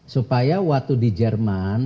supaya waktu di jerman